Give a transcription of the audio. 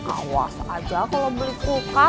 awas aja kalau beli kulkas